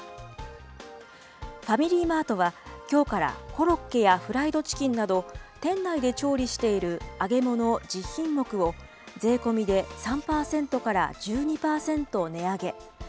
ファミリーマートは、きょうからコロッケやフライドチキンなど、店内で調理している揚げ物１０品目を、税込みで３％から１２％値上げ。